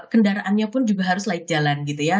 kendaraannya pun juga harus laik jalan gitu ya